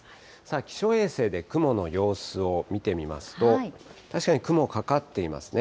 気象衛星で雲の様子を見てみますと、確かに雲かかっていますね。